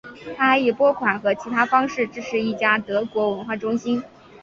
他还以拨款和其他方式支持一家德国文化中心。